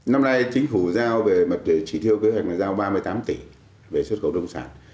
năm nay chính phủ giao về mặt trị thiêu kế hoạch là giao ba mươi tám tỷ về xuất khẩu nông sản